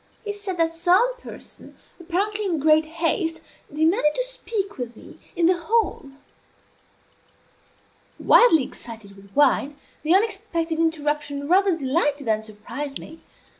He said that some person, apparently in great haste, demanded to speak with me in the hall. Wildly excited with wine, the unexpected interruption rather delighted than surprised me.